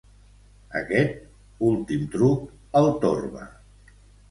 Aquest últim truc el torba.